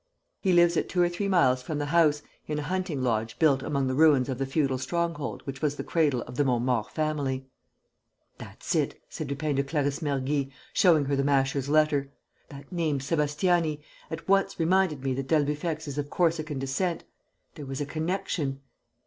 He lives at two or three miles from the house, in a hunting lodge built among the ruins of the feudal stronghold which was the cradle of the Montmaur family." "That's it," said Lupin to Clarisse Mergy, showing her the Masher's letter. "That name, Sébastiani, at once reminded me that d'Albufex is of Corsican descent. There was a connection...."